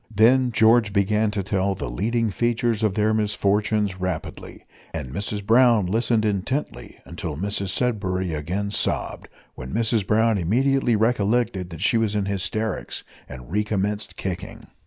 Then George began to tell the leading features of their misfortunes rapidly, and Mrs Brown listened intently until Mrs Sudberry again sobbed, when Mrs Brown immediately recollected that she was in hysterics, and recommenced kicking.